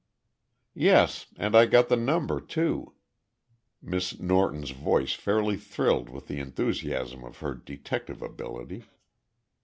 "Yes, and I got the number, too," Miss Norton's voice fairly thrilled with the enthusiasm of her detective ability.